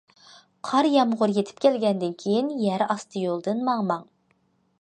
قارا يامغۇر يېتىپ كەلگەندىن كېيىن: يەر ئاستى يولىدىن ماڭماڭ.